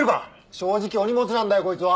正直お荷物なんだよこいつは。